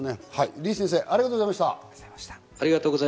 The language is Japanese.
リ先生、ありがとうございました。